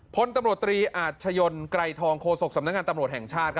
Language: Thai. พลตำรวจตรีอาชญนไกรทองโฆษกสำนักงานตำรวจแห่งชาติ